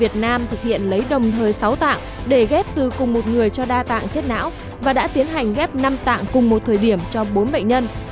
việt nam thực hiện lấy đồng thời sáu tạng để ghép từ cùng một người cho đa tạng chết não và đã tiến hành ghép năm tạng cùng một thời điểm cho bốn bệnh nhân